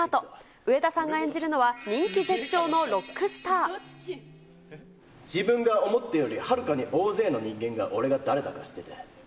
上田さんが演じるの自分が思っているよりはるかに大勢の人間が俺が誰かを知ってて。